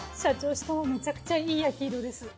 しかもめちゃくちゃいい焼き色です。